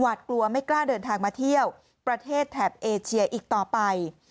กลัวไม่กล้าเดินทางมาเที่ยวประเทศแถบเอเชียอีกต่อไป